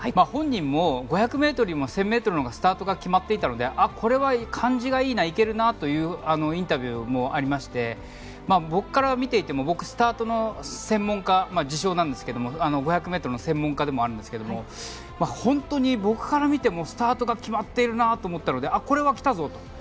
本人も５００ｍより１０００ｍのほうがスタートが決まっていたのでこれは感じがいいないけるなというインタビューもありまして僕から見ていても僕、スタートの専門家、自称ですが５００ｍの専門家でもあるんですが本当に僕から見てもスタートが決まっているなと思ったのでこれは来たぞと。